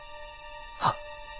はっ。